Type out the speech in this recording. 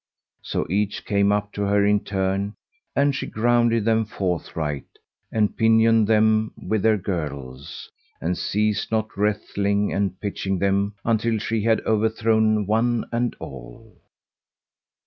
So each came up to her in turn and she grounded them forthright, and pinioned them with their girdles, and ceased not wrestling and pitching them until she had overthrown one and all.